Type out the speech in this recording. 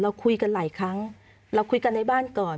เราคุยกันหลายครั้งเราคุยกันในบ้านก่อน